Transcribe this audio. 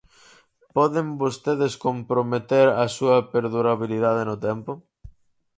¿Poden vostedes comprometer a súa perdurabilidade no tempo?